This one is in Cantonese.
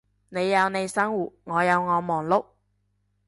你有你生活，我有我忙碌